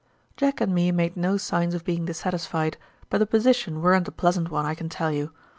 "Jack and me made no signs of being dissatisfied, but the position weren't a pleasant one, I can tell you.